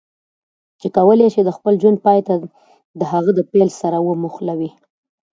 چې کولای شي د خپل ژوند پای د هغه د پیل سره وموښلوي.